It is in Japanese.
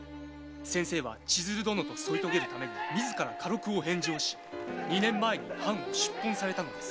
先生は千鶴殿と添い遂げるため自ら家禄を返上し二年前に藩を出奔されたのです。